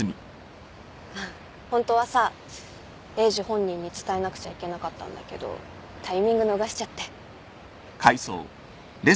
ホントはさエイジ本人に伝えなくちゃいけなかったんだけどタイミング逃しちゃって。